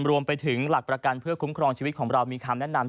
รวมไปถึงหลักประกันเพื่อคุ้มครองชีวิตของเรามีคำแนะนำ